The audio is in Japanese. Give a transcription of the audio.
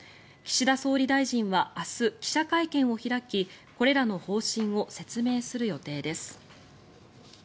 岸田総理大臣は明日記者会見を開きこれらの方針を説明する予定です。